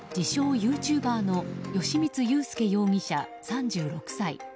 ユーチューバーの吉満勇介容疑者、３６歳。